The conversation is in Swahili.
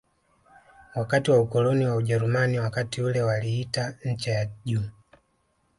wakati wa ukoloni wa Ujerumani Wakati ule waliita ncha ya juu